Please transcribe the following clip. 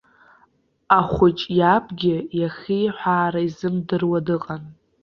Ахәыҷ иабгьы иахиҳәаара изымдыруа дыҟан.